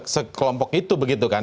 sekelompok itu begitu kan